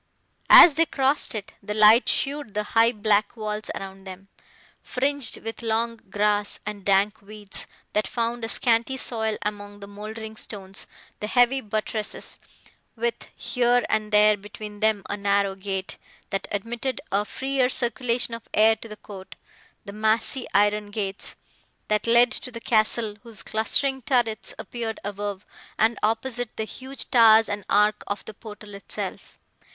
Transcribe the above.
As they crossed it, the light showed the high black walls around them, fringed with long grass and dank weeds, that found a scanty soil among the mouldering stones; the heavy buttresses, with, here and there, between them, a narrow grate, that admitted a freer circulation of air to the court, the massy iron gates, that led to the castle, whose clustering turrets appeared above, and, opposite, the huge towers and arch of the portal itself.